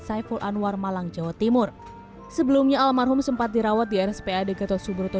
saiful anwar malang jawa timur sebelumnya almarhum sempat dirawat di rspad gatot subroto